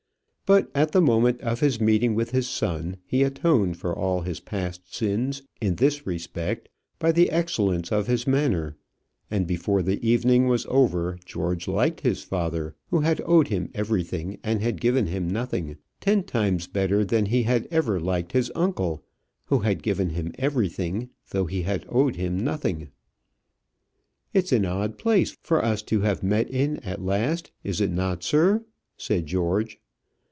But at the moment of his meeting with his son, he atoned for all his past sins in this respect by the excellence of his manner; and before the evening was over, George liked his father, who had owed him everything and given him nothing, ten times better than he had ever liked his uncle who had given him everything though he had owed him nothing. "It's an odd place for us to have met in at last, is it not, sir?" said George.